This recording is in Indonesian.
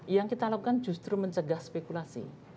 yang kita lakukan justru mencegah spekulasi